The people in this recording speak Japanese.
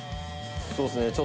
「そうっすね。